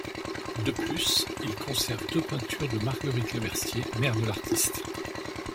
De plus, il conserve deux peintures de Marguerite Lemercier, mère de l'artiste.